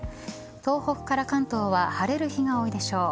東北から関東は晴れる日が多いでしょう。